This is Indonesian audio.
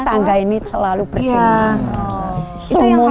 semua tangga ini selalu persediaan